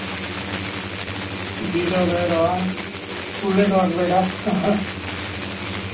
Giro beroan, bero handiegia egiten duelakoz.